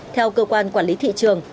theo cơ quan quản lý thị trường